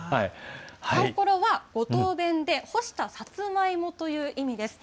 かんころは、五島弁で干したさつまいもという意味です。